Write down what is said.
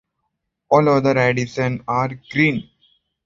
All other editions are green.